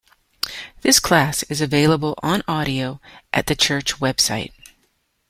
This class is available on audio at the church website.